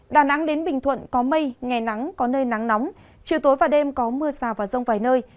đà nẵng đến bình thuận có mây ngày nắng có nơi nắng nóng chiều tối và đêm có mưa rào và rông vài nơi